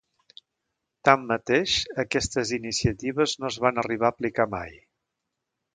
Tanmateix, aquestes iniciatives no es van arribar a aplicar mai.